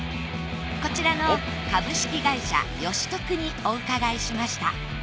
こちらの株式会社美徳にお伺いしました。